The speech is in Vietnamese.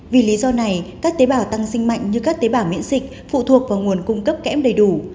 vì lý do này các tế bào tăng sinh mạnh như các tế bào miễn dịch phụ thuộc vào nguồn cung cấp kẽm đầy đủ